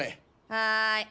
はい。